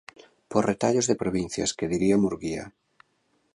Por retallos de provincias, que diría Murguía.